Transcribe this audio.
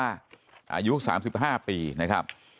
อายุ๓๕ปีนะครับ